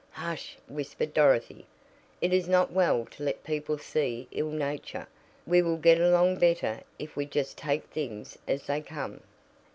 "Hush!" whispered Dorothy, "It is not well to let people see ill nature. We will get along better if we just take things as they come."